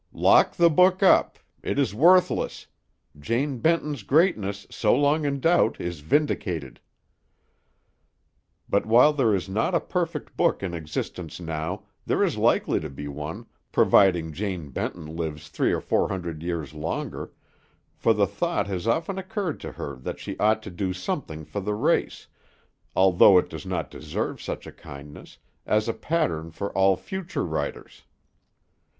Lock the book up! It is worthless! Jane Benton's greatness, so long in doubt, is vindicated! But while there is not a perfect book in existence now, there is likely to be one, providing Jane Benton lives three or four hundred years longer, for the thought has often occurred to her that she ought to do something for the race, although it does not deserve such a kindness, as a pattern for all future writers.